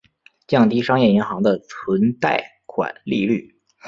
降低商业银行的存贷款利率。